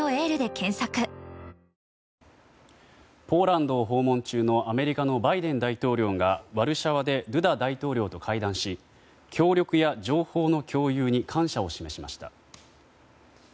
ポーランドを訪問中のアメリカのバイデン大統領がワルシャワでドゥダ大統領と会談し協力や情報の共有に感謝を示しました。